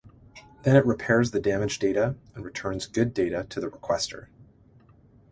Then, it repairs the damaged data and returns good data to the requestor.